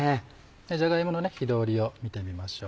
じゃが芋の火通りを見てみましょう。